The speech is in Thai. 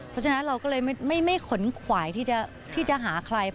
เพราะฉะนั้นเราก็เลยไม่ขนขวายที่จะหาใคร